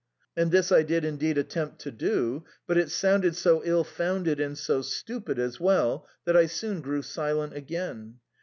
And this I did indeed attempt to do, but it sounded so ill founded and so stupid as well that I soon grew silent again.